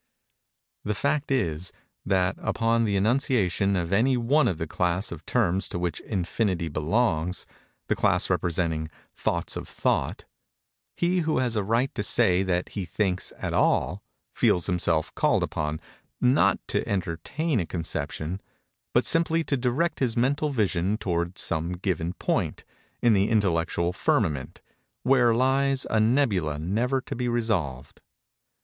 The fact is, that, upon the enunciation of any one of that class of terms to which "Infinity" belongs—the class representing thoughts of thought—he who has a right to say that he thinks at all, feels himself called upon, not to entertain a conception, but simply to direct his mental vision toward some given point, in the intellectual firmament, where lies a nebula never to be resolved.